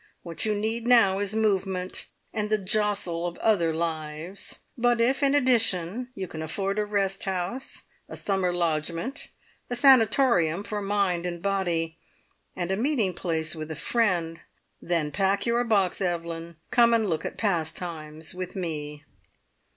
What you need now is movement, and the jostle of other lives; but if, in addition, you can afford a rest house, a summer lodgment, a sanatorium for mind and body, and a meeting place with a friend, then pack your box, Evelyn, come and look at Pastimes with me!